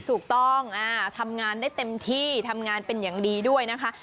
ถูกต้องทำงานได้เต็มที่ทำงานเป็นอย่างดีด้วยนะคะ